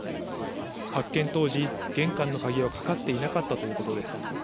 発見当時、玄関の鍵はかかっていなかったということです。